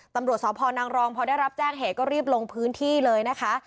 ตำรวจสพนางรองพอได้รับแจ้งเหตุก็รีบลงพื้นที่เลยนะคะ